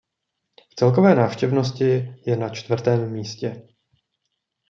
V celkové návštěvnosti je na čtvrtém místě.